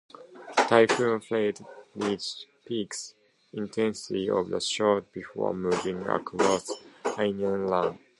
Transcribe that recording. Typhoon Fred reached peak intensity of shortly before moving across Hainan Island.